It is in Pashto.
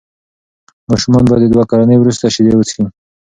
ماشومان باید د دوه کلنۍ وروسته شیدې وڅښي.